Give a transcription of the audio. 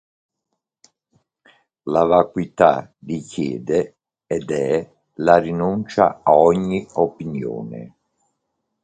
La vacuità richiede, ed è, la rinuncia a ogni opinione.